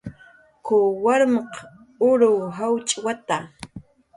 "K""uw warmq uruw jawchwata "